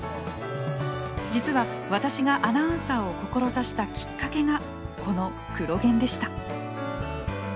実は私がアナウンサーを志したきっかけがこの「クロ現」でした。